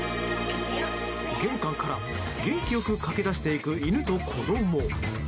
玄関から元気良く駆け出していく犬と子供。